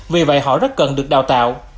vì vậy họ rất cần được đào tạo